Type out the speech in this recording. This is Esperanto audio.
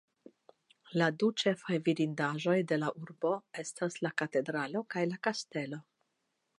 La du ĉefaj vidindaĵoj de la urbo estas la katedralo kaj la kastelo.